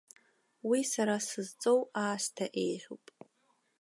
Уи сара сызҵоу аасҭа еиӷьуп.